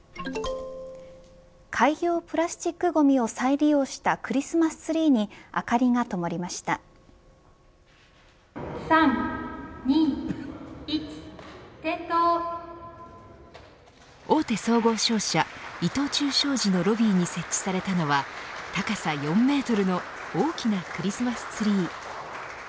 海洋プラスチックごみを再利用したクリスマスツリーに大手総合商社、伊藤忠商事のロビーに設置されたのは高さ４メートルの大きなクリスマスツリー。